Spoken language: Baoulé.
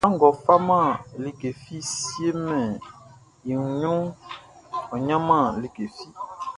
Sran ngʼɔ faman like fi siemɛn i ɲrunʼn, ɔ ɲanman like fi.